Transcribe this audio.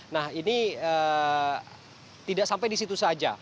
nah ini tidak sampai di situ saja